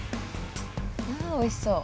うわおいしそう。